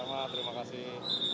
selamat terima kasih